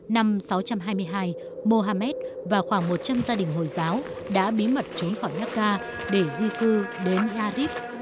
năm sáu trăm hai mươi hai muhammad và khoảng một trăm linh gia đình hồi giáo đã bí mật trốn khỏi mecca để di cư đến ả rập